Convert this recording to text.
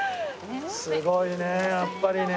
すごいねやっぱりね。